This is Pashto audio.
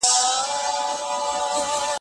بیا به چیرې ماشومان په وینو سره وي